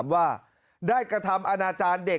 เมื่อกี้มันร้องพักเดียวเลย